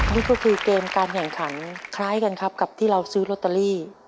นี่ก็คือเกมการแข่งขันคล้ายกันครับกับที่เราซื้อลอตเตอรี่